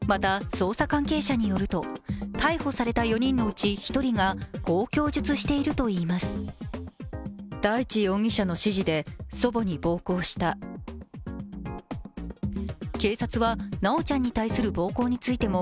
捜査関係者によると、逮捕された４人のうち１人がこう供述しているといいます警察は、修ちゃんに対する暴行についても